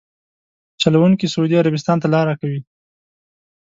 چلونکي سعودي عربستان ته لاره کوي.